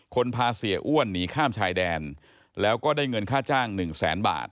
พาเสียอ้วนหนีข้ามชายแดนแล้วก็ได้เงินค่าจ้างหนึ่งแสนบาท